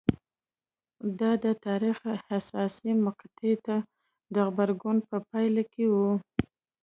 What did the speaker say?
دا د تاریخ حساسې مقطعې ته د غبرګون په پایله کې وه